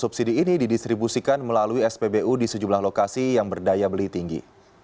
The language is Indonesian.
subsidi ini didistribusikan melalui spbu di sejumlah lokasi yang berdaya beli tinggi